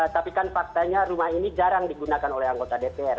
tapi kan faktanya rumah ini jarang digunakan oleh anggota dpr